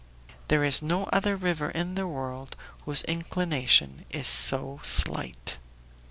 There is no other river in the world whose inclination is so slight.